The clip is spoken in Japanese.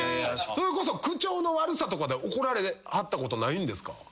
それこそ口調の悪さとかで怒られはったことないんですか？